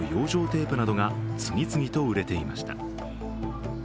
テープなどが次々と売れていました。